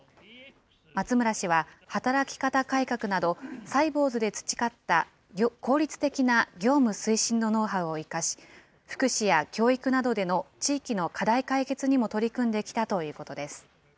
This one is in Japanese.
松村氏は、働き方改革などサイボウズで培った効率的な業務推進のノウハウを生かし、福祉や教育などでの地域の課題解決にも取り組んできたということです。